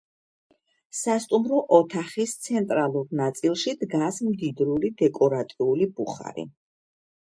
სასტუმრო ოთახის ცენტრალურ ნაწილში დგას მდიდრული დეკორატიული ბუხარი.